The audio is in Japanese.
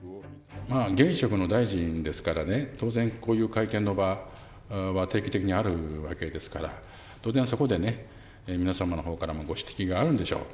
現職の大臣ですからね、当然、こういう会見の場は定期的にあるわけですから、当然そこでね、皆様のほうからもご指摘があるんでしょう。